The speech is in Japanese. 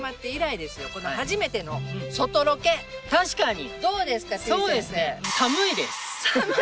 確かに。